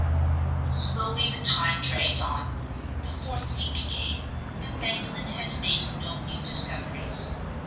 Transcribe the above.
Slowly the time dragged on. The fourth week came; and Magdalen had made no new discoveries.